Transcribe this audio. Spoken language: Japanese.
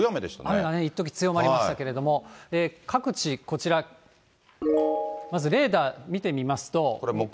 雨がいっとき強まりましたけど、各地こちら、まずレーダー見てみますと。